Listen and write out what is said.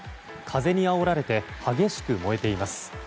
風にあおられて激しく燃えています。